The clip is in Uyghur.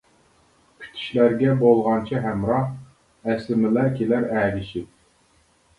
كۈتۈشلەرگە بولغانچە ھەمراھ، ئەسلىمىلەر كېلەر ئەگىشىپ.